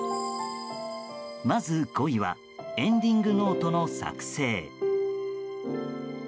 まず、５位はエンディングノートの作成。